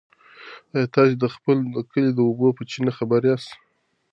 ایا تاسي د خپل کلي د اوبو په چینه خبر یاست؟